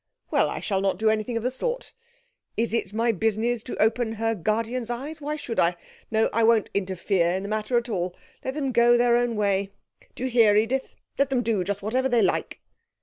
Well, I shall not do anything of the sort. Is it my business to open her guardian's eyes? Why should I? No; I won't interfere in the matter at all. Let them go their own way. Do you hear, Edith? Let them do just whatever they like.'